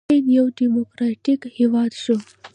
هند یو ډیموکراټیک هیواد شو.